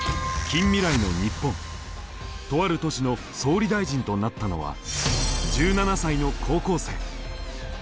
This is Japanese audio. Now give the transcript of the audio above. とある都市の総理大臣となったのは１７才の高校生。